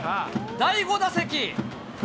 第５打席。